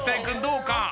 君どうか？